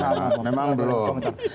belum memang belum